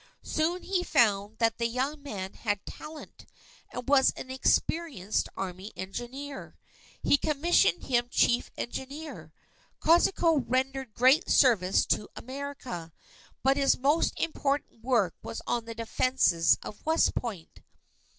Soon he found that the young man had talent, and was an experienced army engineer. He commissioned him Chief Engineer. Kosciuszko rendered great service to America, but his most important work was on the defenses of West Point.